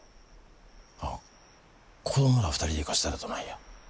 あっ子供ら２人で行かせたらどないや。